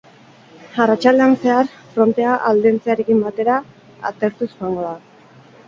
Arratsaldean zehar, frontea aldentzearekin batera, atertuz joango da.